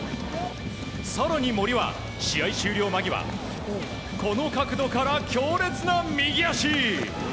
更に森は試合終了間際この角度から強烈な右足！